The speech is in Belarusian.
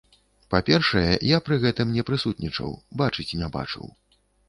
Па-першае, я пры гэтым не прысутнічаў, бачыць не бачыў.